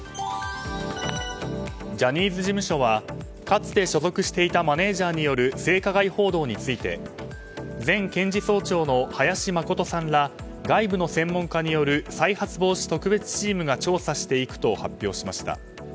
ジャニーズ事務所はかつて所属していたマネジャーによる性加害報道について前検事総長の林眞琴さんら外部の専門家による再発防止特別チームが調査していくと発表しました。